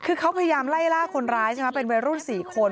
คือเขาพยายามไล่ล่าคนร้ายใช่ไหมเป็นวัยรุ่น๔คน